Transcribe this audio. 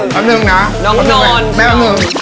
แม่บังเงินนะแม่บังเงิน